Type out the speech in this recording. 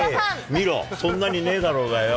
見ろ、そんなにねえだろうがよ。